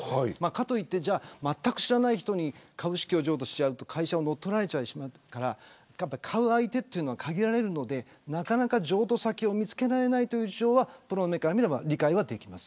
かといってまったく知らない人に株式を譲渡してしまうと会社を乗っ取られてしまうから買う相手は限られるのでなかなか譲渡先を見つけられないという事情はプロの目から見ると理解はできます。